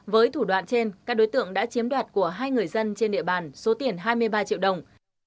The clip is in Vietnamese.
với thủ đoạn trên các đối tượng đã chiếm đoạt của hai người dân trên địa bàn số tiền hai mươi ba triệu đồng